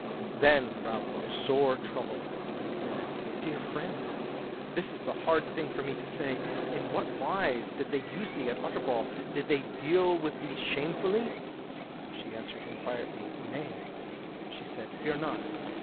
Then Ralph looked sore troubled, and he said: "Dear friend, this is the thing hard for me to say. In what wise did they use thee at Utterbol? Did they deal with thee shamefully?" She answered him quietly: "Nay," she said, "fear not!